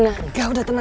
engga udah tenang aja